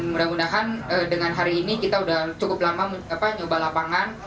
mudah mudahan dengan hari ini kita sudah cukup lama nyoba lapangan